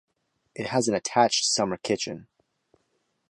It has an attached summer kitchen.